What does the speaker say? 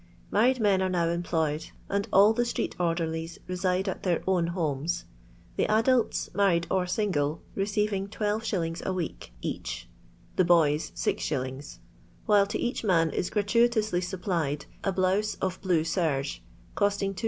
Married men are now employed, and all the street orderlies reside at their own homes; the adults, married or single, receiving 12«. a week each; the boys, 6s.; while to each man is gratuitously supplied a blouse of blue serge, costing 2s.